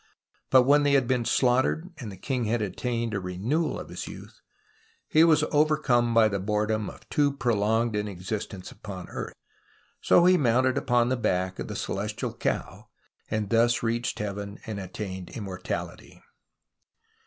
But when they had been slaughtered and the king had attained a renewal of his youth, he was overcome by the boredom of too prolonged an existence upon earth. So he mounted upon the back of the Celestial Cow and thus reached heaven and attained immortality.